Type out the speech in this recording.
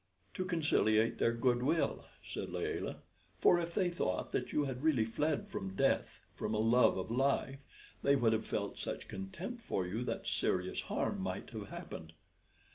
"To conciliate their good will," said Layelah. "For if they thought that you had really fled from death from a love of life, they would have felt such contempt for you that serious harm might have happened."